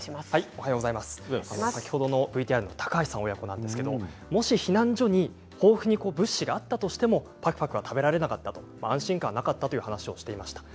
ＶＴＲの高橋さん親子なんですけどもし避難所に豊富に物資があったとしても、ぱくぱく食べられなかった、安心感はなかったという話をしていました。